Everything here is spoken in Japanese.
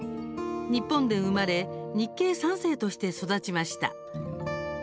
日本で生まれ日系三世として育ちました。